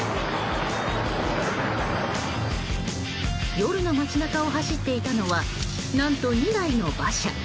夜の街中を走っていたのは何と２台の馬車。